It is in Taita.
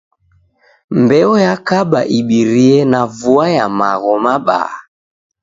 Mbeo yakaba ibirie na vua ya magho mabaa.